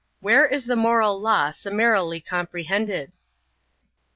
Where is the moral law summarily comprehended?